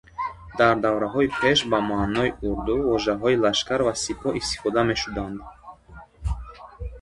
Дар давраҳои пеш ба маънои урду вожаҳои лашкар ва сипоҳ истифода мешуданд.